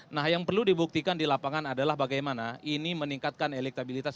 nah yang perlu dibuktikan di lapangan adalah bagaimana ini meningkatkan elektabilitas